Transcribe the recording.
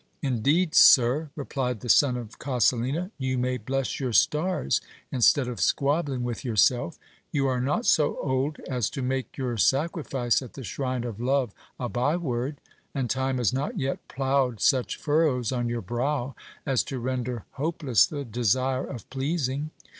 Indeed, sir, replied the son of Coselina, you may bless your stars, instead of squabbling with yourself : you are not so old as to make your sacrifice at the shrine of love a by word ; and time has not yet ploughed such furrows on your brow, as to render hope less the desire of pleasing.